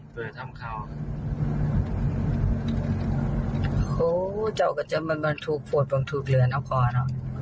ปรับลงถูกเรือนเอาคอหรอ